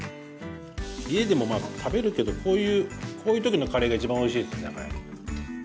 家でもまあ食べるけどこういう時のカレーが一番おいしいです。